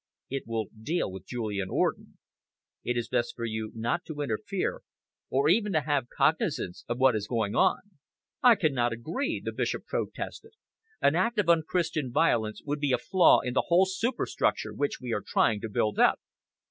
It will deal with Julian Orden. It is best for you not to interfere, or even to have cognisance of what is going on." "I cannot agree," the Bishop protested. "An act of unchristian violence would be a flaw in the whole superstructure which we are trying to build up."